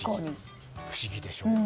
不思議でしょう。